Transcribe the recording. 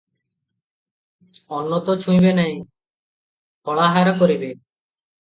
ଅନ୍ନ ତ ଛୁଇଁବେ ନାହିଁ, ଫଳାହାର କରିବେ ।